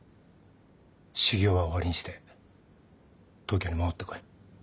修行は終わりにして東京に戻ってこい。